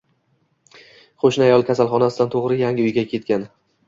Qoʻshni ayol kasalxonadan toʻgʻri yangi uyiga ketgan.